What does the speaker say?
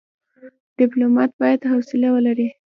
ډيپلومات بايد حوصله ولري.